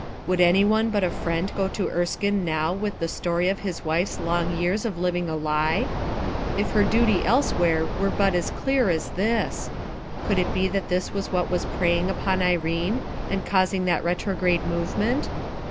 Would any one but a fiend go to Erskine now with the story of his wife's long years of living a lie ! If her duty else where were but as clear as this I Could it be that tliis was what was preying upon Irene and 346 RUTH ERSKINE'S SON causing that retrograde movement?